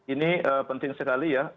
ini penting sekali ya